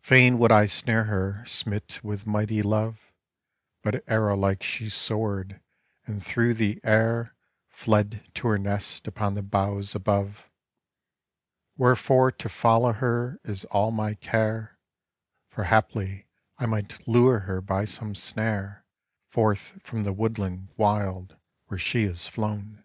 Fain would I snare her, smit with mighty love; But arrow like she soared, and through the air Fled to her nest upon the boughs above; Wherefore to follow her is all my care, For haply I might lure her by some snare Forth from the woodland wild where she is flown.